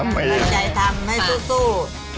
ตั้งใจทำให้สู้